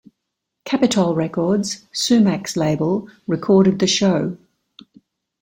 Capitol Records, Sumac's label, recorded the show.